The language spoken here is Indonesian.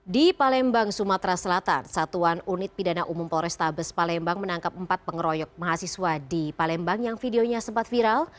di palembang sumatera selatan satuan unit pidana umum polrestabes palembang menangkap empat pengeroyok mahasiswa di palembang yang videonya sempat viral